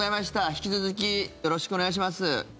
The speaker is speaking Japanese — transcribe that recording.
引き続きよろしくお願いします。